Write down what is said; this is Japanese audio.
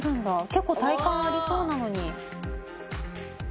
結構体幹ありそうなのに。